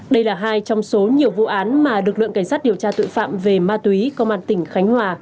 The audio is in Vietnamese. đây là hai trong số nhiều vụ án mà lực lượng cảnh sát điều tra tội phạm về ma túy công an tỉnh khánh hòa